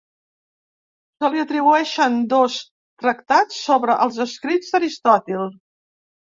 Se li atribueixen dos tractats sobre els escrits d'Aristòtil.